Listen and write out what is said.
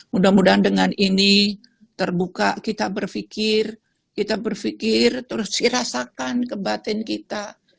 mudah mudahan dengan ini terbuka kita berpikir kita berpikir terus dirasakan ke batin kita